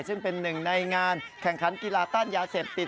ซึ่งเป็นหนึ่งในงานแข่งขันกีฬาต้านยาเสพติด